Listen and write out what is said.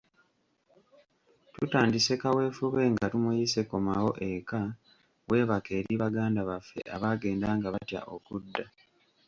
Tutandise kaweefube nga tumuyise Komawo eka weebake eri baganda baffe abaagenda nga batya okudda.